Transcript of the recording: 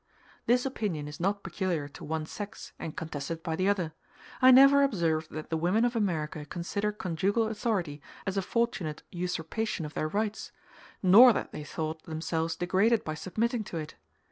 This opinion is not peculiar to one sex, and contested by the other: I never observed that the women of America consider conjugal authority as a fortunate usurpation of their rights, nor that they thought themselves degraded by submitting to it.